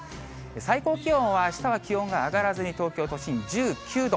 最高気温はあしたは気温が上がらずに東京都心１９度。